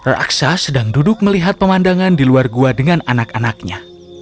raksa sedang duduk melihat pemandangan di luar gua dengan anak anaknya